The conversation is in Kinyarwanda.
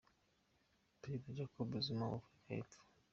Perezida Jacob Zuma wa Afurika y’Epfo.